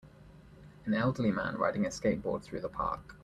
An elderly man riding a skateboard through the park.